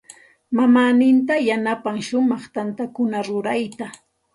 Mamaaninta yanapan shumaq tantakuna rurayta.